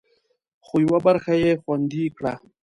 خو، یوه برخه یې خوندي کړه